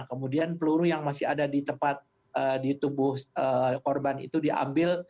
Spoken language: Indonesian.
kemudian peluru yang masih ada di tempat di tubuh korban itu diambil